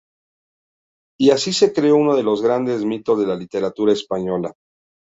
Y así se creó uno de los grandes mitos de la Literatura Española.